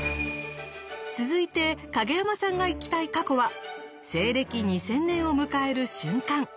続いて影山さんが行きたい過去は西暦２０００年を迎える瞬間。